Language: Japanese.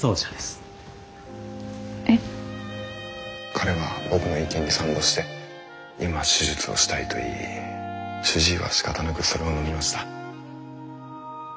彼は僕の意見に賛同して今手術をしたいと言い主治医はしかたなくそれをのみました。